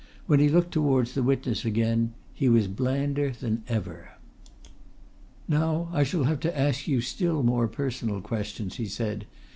When he looked towards the witness again he was blander than ever. "Now I shall have to ask you still more personal questions," he said.